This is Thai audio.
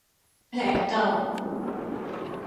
แผลเก่า